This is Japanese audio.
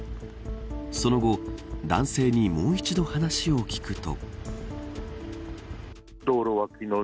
その後男性にもう一度話を聞くと。